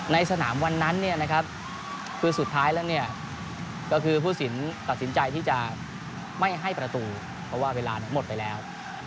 ในสนามวันนั้นสุดท้ายแล้วก็คือผู้สินตัดสินใจที่จะไม่ให้ประตูเพราะว่าเวลาหมดไปแล้ว